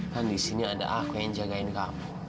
kan di sini ada aku yang jagain kamu